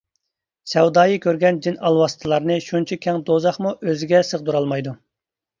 سەۋدايى كۆرگەن جىن-ئالۋاستىلارنى شۇنچە كەڭ دوزاخمۇ ئۆزىگە سىغدۇرالمايدۇ.